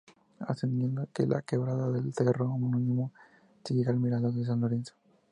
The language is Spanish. Ascendiendo por la quebrada del cerro homónimo, se llega al mirador de San Lorenzo.